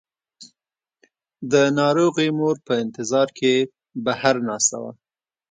د ناروغې مور په انتظار کې بهر ناسته وه.